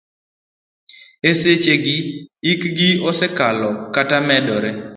E seche gi moko hikgi osekalo kata medore.